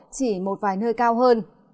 chỉ một vài nơi cao hơn